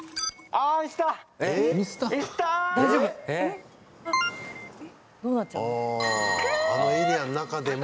ああ、あのエリアの中でも。